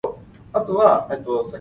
有過鹽水的人